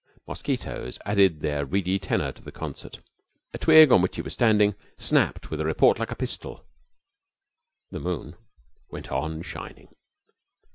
Mosquitoes added their reedy tenor to the concert. A twig on which he was standing snapped with a report like a pistol. The moon went on shining.